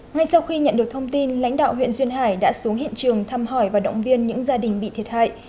ngay sau khi nhận được thông tin lãnh đạo huyện duyên hải đã xuống hiện trường thăm hỏi và động viên những gia đình bị thiệt hại